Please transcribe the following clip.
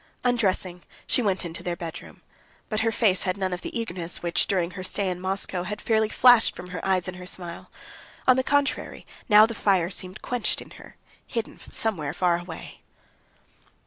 Undressing, she went into the bedroom; but her face had none of the eagerness which, during her stay in Moscow, had fairly flashed from her eyes and her smile; on the contrary, now the fire seemed quenched in her, hidden somewhere far away.